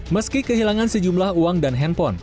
meski kehilangan sejumlah uang dan handphone